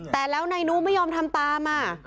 แต่แล้วนายนู้ไม่ยอมทำตาม